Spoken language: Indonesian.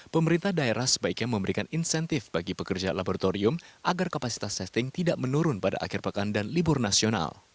pemerintah daerah sebaiknya memberikan insentif bagi pekerja laboratorium agar kapasitas testing tidak menurun pada akhir pekan dan libur nasional